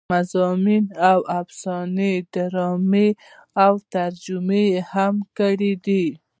مضامين او افسانې ډرامې او ترجمې يې هم کړې دي